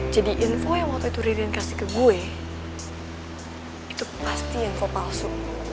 jadi info yang waktu itu ririn kasih ke gue itu pasti info palsu